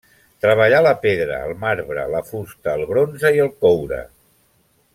Treballà la pedra, el marbre, la fusta, el bronze i el coure.